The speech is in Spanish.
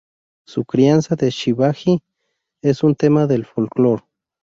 Su crianza de Shivaji es un tema del folclore.